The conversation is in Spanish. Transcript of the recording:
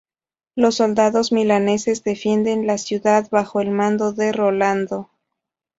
Los soldados milaneses defienden la ciudad bajo el mando de Rolando.